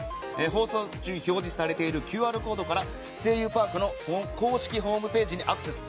放送中に表示されているＱＲコードから「声優パーク」の公式ホームページにアクセス。